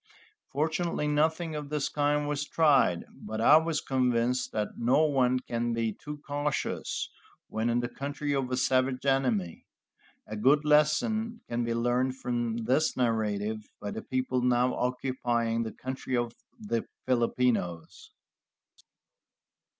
Fortunately nothing of the kind was tried, but I was convinced that no one can be too cautious when in the country of a savage enemy. A good lesson can be learned from this narrative by the people now occupying the country of the Filipinos.